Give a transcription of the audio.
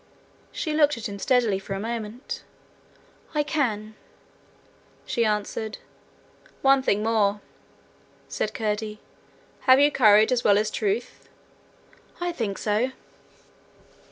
She looked at him steadily for a moment. 'I can,' she answered. 'One thing more,' said Curdie: 'have you courage as well as truth?' 'I think so.'